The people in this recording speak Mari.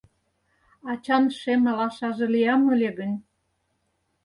Ачан шем алашаже лиям ыле гын